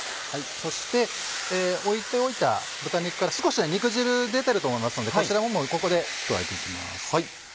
そして置いておいた豚肉から少し肉汁出てると思いますのでこちらをここで加えていきます。